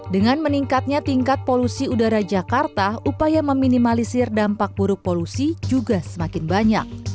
dengan meningkatnya tingkat polusi udara jakarta upaya meminimalisir dampak buruk polusi juga semakin banyak